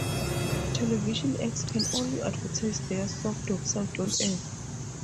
Television X can only advertise their soft website on air.